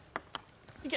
いけ。